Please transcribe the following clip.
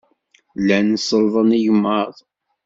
Llan sellḍen igmaḍ.